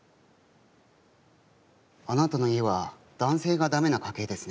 あなたの家は男性がダメな家系ですね。